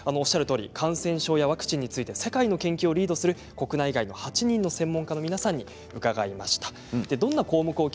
感染症やワクチンについて世界の研究をリードする国内外の８人の専門家の皆さんに伺いました。